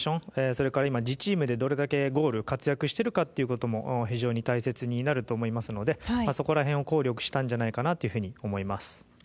それから今、自チームでどれだけゴール活躍しているかってことも大切になると思うのでそこら辺を考慮したんじゃないかなと思います。